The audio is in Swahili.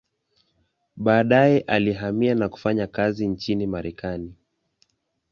Baadaye alihamia na kufanya kazi nchini Marekani.